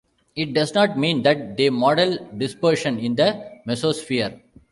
It does not mean that they model dispersion in the mesosphere.